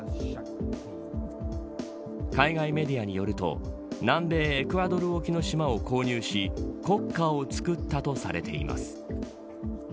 海外メディアによると南米エクアドル沖の島を購入し国家をつくったとされています。